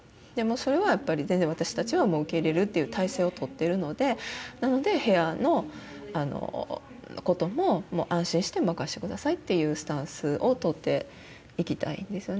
それは全然私たちは受け入れるっていう体制をとってるのでなのでヘアのことも安心して任してくださいっていうスタンスをとっていきたいんですよね